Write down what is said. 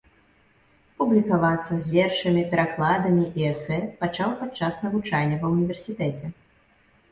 Публікавацца з вершамі, перакладамі і эсэ пачаў падчас навучання ва ўніверсітэце.